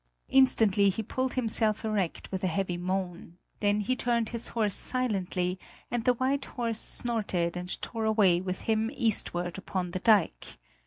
Instantly he pulled himself erect with a heavy moan; then he turned his horse silently, and the white horse snorted and tore away with him eastward upon the dike.